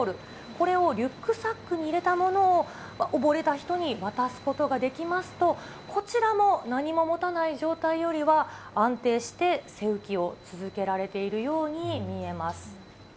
これをリュックサックに入れたものを、溺れた人に渡すことができますと、こちらも何も持たない状態よりは、安定して背浮きを続けられているように見えます。